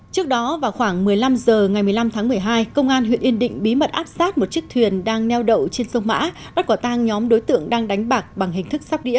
trước đó vào khoảng một mươi năm h ngày một mươi năm tháng một mươi hai công an huyện yên định bí mật áp sát một chiếc thuyền đang neo đậu trên sông mã bắt quả tang nhóm đối tượng đang đánh bạc bằng hình thức sắp đĩa